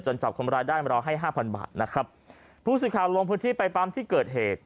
จับคนร้ายได้มารอให้ห้าพันบาทนะครับผู้สื่อข่าวลงพื้นที่ไปปั๊มที่เกิดเหตุ